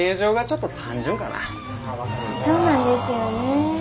そうなんですよね。